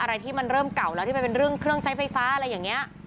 อะไรที่มันเริ่มเก่าแล้วที่มันเป็นเรื่องเครื่องใช้ไฟฟ้าอะไรอย่างนี้